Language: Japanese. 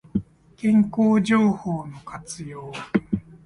健康情報の活用